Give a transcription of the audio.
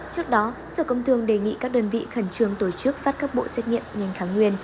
trước đó sở công thương đề nghị các đơn vị khẩn trương tổ chức phát các bộ xét nghiệm nhanh kháng nguyên